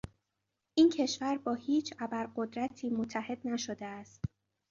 این کشور با هیچ ابرقدرتی متحد نشده است.